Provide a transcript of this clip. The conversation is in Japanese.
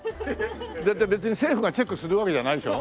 だって別に政府がチェックするわけじゃないでしょ？